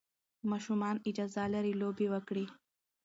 ماشومان اجازه لري لوبې وکړي.